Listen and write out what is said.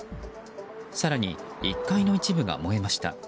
更に１階の一部が燃えました。